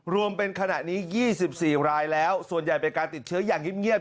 รวมเป็นขณะนี้๒๔รายแล้วส่วนใหญ่เป็นการติดเชื้ออย่างเงียบ